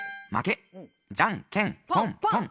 じゃんけんぽんぽん。